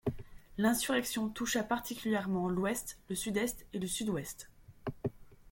L’insurrection toucha particulièrement l’Ouest, le Sud-Est et le Sud-Ouest.